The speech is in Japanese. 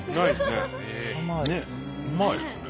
うまいですね。